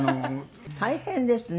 大変ですね。